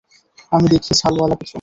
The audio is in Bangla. আমি দেখি ছালওয়ালা কিছু।